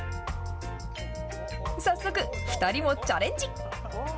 早速、２人もチャレンジ。